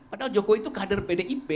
padahal jokowi itu kader pdip